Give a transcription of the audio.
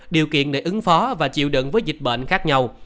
điều kiện để ứng phó và chịu đựng với dịch bệnh khác nhau